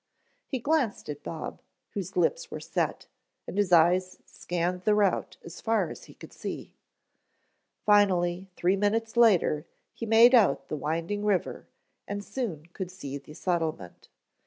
He glanced at Bob, whose lips were set, and his eyes scanned the route as far as he could see. Finally, three minutes later he made out the winding river and soon could see the settlement.